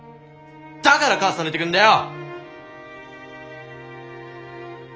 だから母さん出てくんだよ！